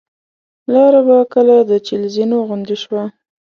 لاره به کله د چهل زینو غوندې شوه.